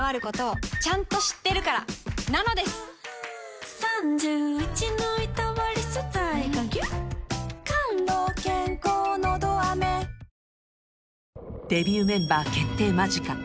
お前もあざすデビューメンバー決定間近